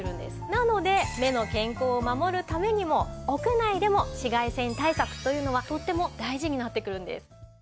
なので目の健康を守るためにも屋内でも紫外線対策というのはとっても大事になってくるんです。